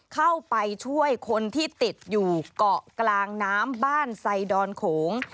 เข้าไปช่วยคนที่ติดอยู่เกาะกลางน้ำบ้านไซดอนโขง